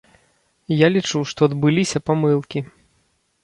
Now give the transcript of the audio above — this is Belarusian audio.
Я лічу, што адбыліся памылкі.